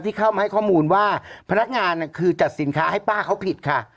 เข้ามาให้ข้อมูลว่าพนักงานคือจัดสินค้าให้ป้าเขาผิดค่ะ